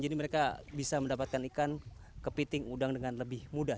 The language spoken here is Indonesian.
jadi mereka bisa mendapatkan ikan kepiting udang dengan lebih mudah